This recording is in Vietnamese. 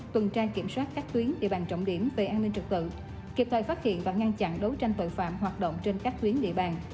tuần tra kiểm soát các tuyến địa bàn trọng điểm về an ninh trật tự kịp thời phát hiện và ngăn chặn đấu tranh tội phạm hoạt động trên các tuyến địa bàn